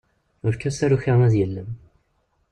Efk-as taruka ad yellem.